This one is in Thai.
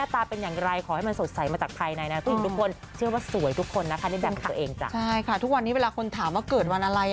อ่อต้องบีด